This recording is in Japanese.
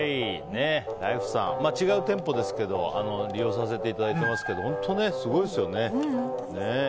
ライフさん、違う店舗ですけど利用させていただいてますけど本当にすごいですよね。